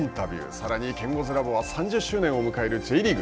さらにケンゴズラボは３０周年を迎えるＪリーグ。